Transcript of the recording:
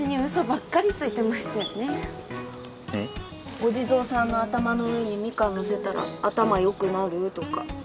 お地蔵さんの頭の上にみかんのせたら頭よくなるとか。